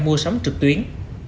mua sống trực tuyến